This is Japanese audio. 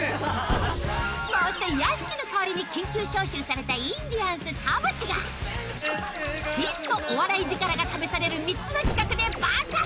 そして屋敷の代わりに緊急招集されたインディアンス田渕が真のお笑い力が試される３つの企画でバトル！